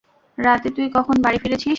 রাতে তুই কখন বাড়ি ফিরেছিস?